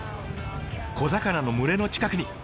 小魚の群れの近くに。